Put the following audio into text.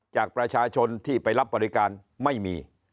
จากประชาชนที่ไปรับบริการไม่มี